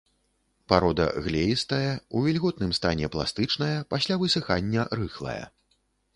Парода глеістая, у вільготным стане пластычная, пасля высыхання рыхлая.